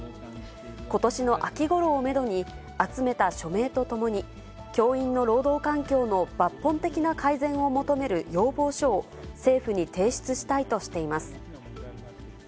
ことしの秋ごろをメドに、集めた署名とともに、教員の労働環境の抜本的な改善を求める要望書を政府に提出したいとしています。